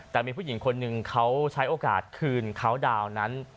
แต่มีผู้หญิงคนหนึ่งเขาใช้โอกาสคืนเขาดาวน์นั้น